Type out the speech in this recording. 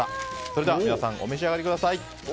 それでは皆さんお召し上がりください。